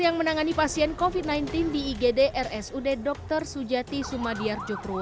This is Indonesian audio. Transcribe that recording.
yang menangani pasien covid sembilan belas di igd rsud dr sujati sumadiyar jokruwo